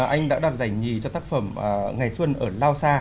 anh đã đạt giải nhì cho tác phẩm ngày xuân ở lao sa